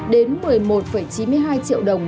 đến một mươi một chín mươi hai triệu đồng